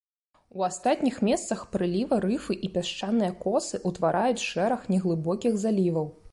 У астатніх месцах праліва рыфы і пясчаныя косы ўтвараюць шэраг неглыбокіх заліваў.